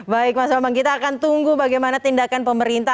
baik mas bambang kita akan tunggu bagaimana tindakan pemerintah